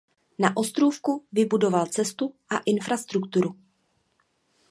Na ostrůvku vybudoval cestu a infrastrukturu.